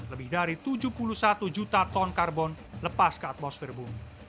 lebih dari tujuh puluh satu juta ton karbon lepas ke atmosfer bumi